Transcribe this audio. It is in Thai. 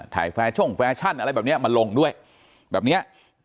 ถ่ายแฟชั่นอะไรแบบนี้มาลงด้วยแบบนี้